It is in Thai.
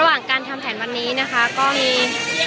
ะหว่างการทำแผ่นวันนี้นะคะก็มี